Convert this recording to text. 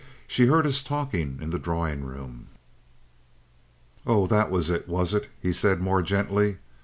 She heard us talking in the drawing room." "Oh, that was it, was it?" he said more gently.